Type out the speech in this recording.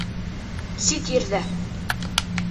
Сит ерҙә.